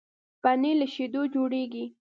پنېر له شيدو جوړېږي.